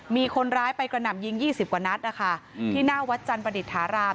มีคนร้ายไปกระหน่ำยิง๒๐กว่านัดนะคะที่หน้าวัดจันประดิษฐาราม